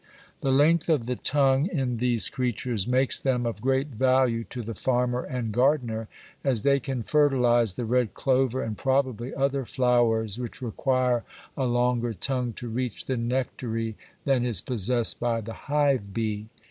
The length of the tongue in these creatures makes them of great value to the farmer and gardener, as they can fertilize the red clover and probably other flowers which require a longer tongue to reach the nectary than is possessed by the hive bee.